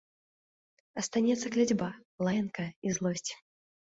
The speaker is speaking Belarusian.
Астанецца кляцьба, лаянка і злосць.